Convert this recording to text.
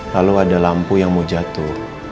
lalu ada lampu yang mau jatuh